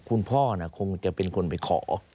คุณพ่อคงจะเป็นคนไปขอ